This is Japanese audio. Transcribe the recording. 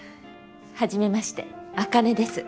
はじめまして茜です。